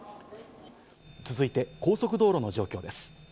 続いて高速道路の状況です。